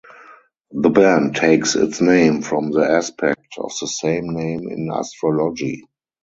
The band takes its name from the aspect of the same name in astrology.